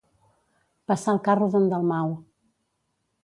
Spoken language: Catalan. Passar el carro d'en Dalmau.